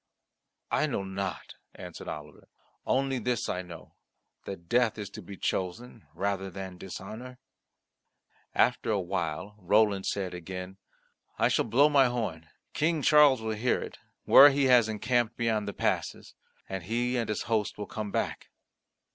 "I know not," answered Oliver. "Only this I know that death is to be chosen rather than dishonour." After a while Roland said again, "I shall blow my horn; King Charles will hear it, where he has encamped beyond the passes, and he and his host will come back."